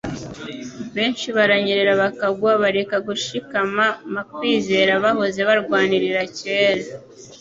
Benshi baranyerera bakagwa bareka gushikama ma kwizera bahoze barwanirira kera.